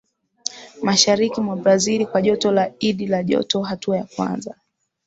mashariki mwa Brazil kwa joto la id la joto Hatua ya kwanza